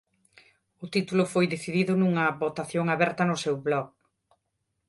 O título foi decidido nunha votación aberta no seu blog.